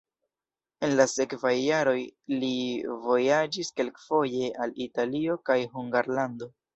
En la sekvaj jaroj li vojaĝis kelkfoje al Italio kaj Hungarlando.